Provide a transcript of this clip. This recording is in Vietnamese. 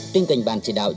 trên kênh bàn chỉ đạo